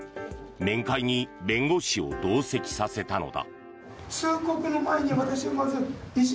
面会に弁護士を同席させたのだ。